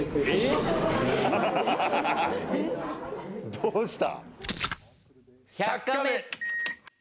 どうした？